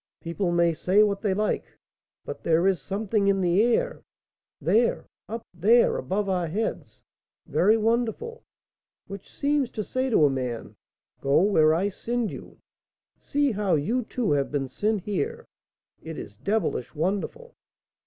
People may say what they like, but there is something in the air, there, up there, above our heads, very wonderful; which seems to say to a man, 'Go where I send you.' See how you two have been sent here. It is devilish wonderful!"